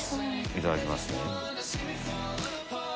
いただきますね。